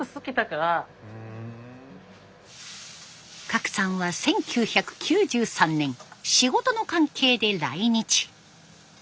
革さんは１９９３年仕事の関係で来日。